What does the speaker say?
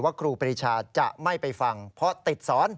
ครูปรีชาจะไม่ไปฟังเพราะติดสอน